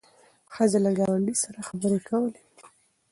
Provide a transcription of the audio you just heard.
ښځه له ګاونډۍ سره خبرې کولې.